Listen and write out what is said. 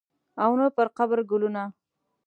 او نه پرقبر ګلونه